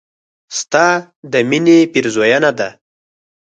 ستا د مينې پيرزوينه ده